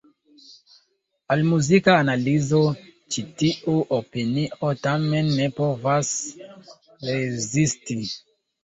Al muzika analizo ĉi tiu opinio tamen ne povas rezisti.